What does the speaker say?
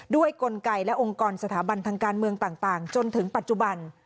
กลไกและองค์กรสถาบันทางการเมืองต่างจนถึงปัจจุบัน